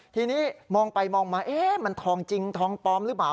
ทีนี้มองไปมองมามันทองจริงทองปลอมหรือเปล่า